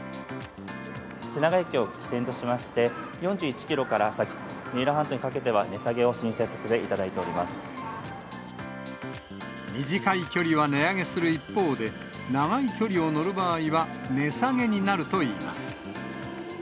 品川駅を起点としまして、４１キロから先、三浦半島にかけては値下げを申請させていただい短い距離は値上げする一方で、長い距離を乗る場合は値下げになるといいます。